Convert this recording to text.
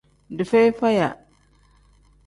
Dii feyi faya.